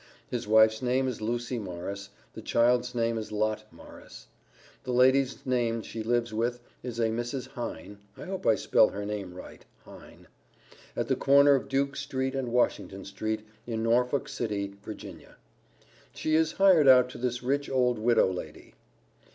His wife's name is Lucy Morris; the child's name is Lot Morris; the lady's name she lives with is a Mrs. Hine (I hope I spell her name right, Hine), at the corner of Duke street and Washington street, in Norfolk city, Virginia. She is hired out to this rich old widow lady.